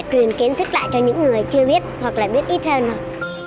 truyền kiến thức lại cho những người chưa biết hoặc là biết ít hơn